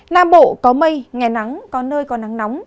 nam bộ có mây ngày nắng có nơi có nắng nóng